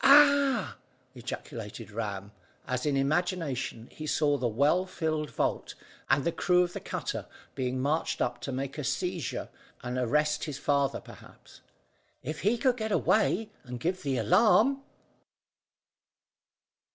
"Ah!" ejaculated Ram, as in imagination he saw the well filled vault, and the crew of the cutter being marched up to make a seizure, and arrest his father perhaps. If he could but get away and give the alarm!